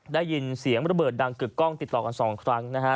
ได้ยินเสียงระเบิดดังกึกกล้องติดต่อกัน๒ครั้งนะฮะ